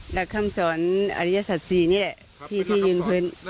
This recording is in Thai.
หลักคำสอนอริยศัตว์ศรีนี่แหละที่ยืนพื้น